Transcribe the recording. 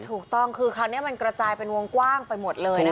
ถูกต้องคือคราวนี้มันกระจายเป็นวงกว้างไปหมดเลยนะคะ